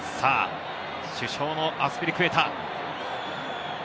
主将のアスピリクエタ。